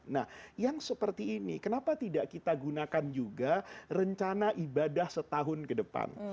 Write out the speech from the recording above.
nah yang seperti ini kenapa tidak kita gunakan juga rencana ibadah setahun ke depan